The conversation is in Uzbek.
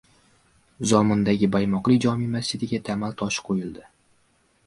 Zomindagi "Boymoqli" jome’ masjidiga tamal toshi qo‘yildi